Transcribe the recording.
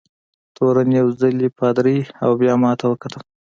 تورن یو ځلي پادري او بیا ما ته وکتل.